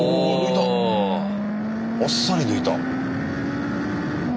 あっさり抜いた。